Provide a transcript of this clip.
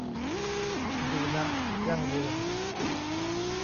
ดีนะ ยั่งยืน